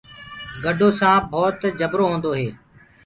گَڊو سآنپ ڀوت جبرو هوندو هي۔